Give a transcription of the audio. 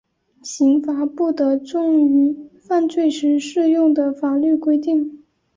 刑罚不得重于犯罪时适用的法律规定。